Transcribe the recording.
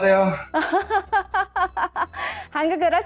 saya selamat datang